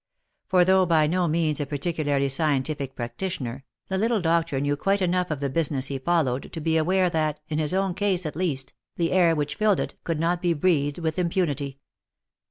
For though by no means a particularly scientific practitioner, the little doctor knew quite enough of the business he followed, to be aware that, in his own case at least, the air which filled it, could not be breathed with impunity.)